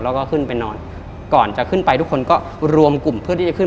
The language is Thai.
แล้วก็ขึ้นไปนอนก่อนจะขึ้นไปทุกคนก็รวมกลุ่มเพื่อที่จะขึ้น